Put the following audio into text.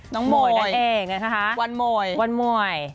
น้องหม่อยวันหม่อยวันหม่อย